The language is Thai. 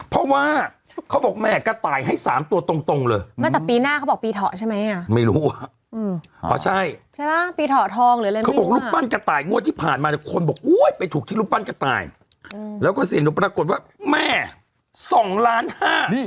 เพราะว่าเขาบอกแม่กระต่ายให้สามตัวตรงตรงเลยตั้งแต่ปีหน้าเขาบอกปีเถาะใช่ไหมอ่ะไม่รู้อ๋อใช่ใช่ไหมปีเถาทองหรืออะไรนะเขาบอกรูปปั้นกระต่ายงวดที่ผ่านมาแต่คนบอกอุ้ยไปถูกที่รูปปั้นกระต่ายแล้วก็เสี่ยงดูปรากฏว่าแม่สองล้านห้า